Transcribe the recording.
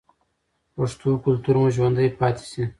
پښتو کلتور مو ژوندی پاتې شي.